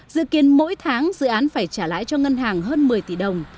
dự kiến mỗi tháng dự án phải trả lãi cho ngân hàng hơn một mươi tỷ đồng